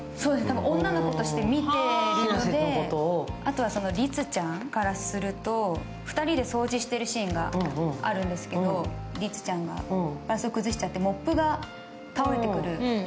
あとはりつちゃんからすると、２人で掃除しているシーンがあるんですけど、りつちゃんがバランスを崩しちゃってモップが倒れてくる。